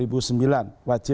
pegang teguh fatwa